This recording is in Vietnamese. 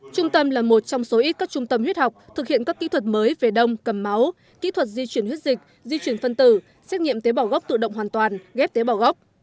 trung tâm là một trong số ít các trung tâm huyết học thực hiện các kỹ thuật mới về đông cầm máu kỹ thuật di chuyển huyết dịch di chuyển phân tử xét nghiệm tế bảo gốc tự động hoàn toàn ghép tế bào gốc